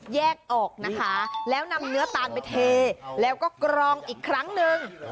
แยกออกนะคะแล้วนำเนื้อตาลไปเทแล้วก็กรองอีกครั้งหนึ่ง